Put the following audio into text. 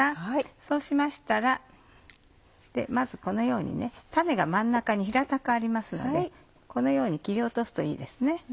そうしましたらまずこのように種が真ん中に平たくありますのでこのように切り落とすといいですね。